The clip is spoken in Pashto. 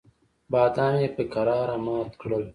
بادام یې په کراره مات کړل.